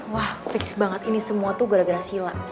wah fix banget ini semua tuh gara gara sila